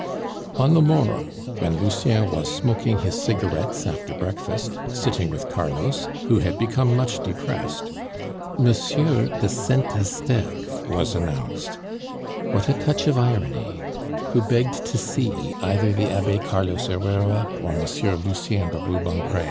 On the morrow, when Lucien was smoking his cigarettes after breakfast, sitting with Carlos, who had become much depressed, M. de Saint Esteve was announced what a touch of irony who begged to see either the Abbe Carlos Herrera or Monsieur Lucien de Rubempre.